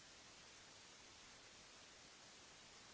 เมื่อเวลาอันดับสุดท้ายมันกลายเป็นภูมิที่สุดท้าย